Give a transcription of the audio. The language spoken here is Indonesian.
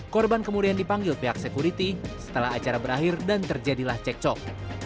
korban kemudian dipanggil pihak security setelah acara berakhir dan terjadilah cekcok